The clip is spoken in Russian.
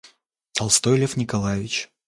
Толстой Лев Николаевич.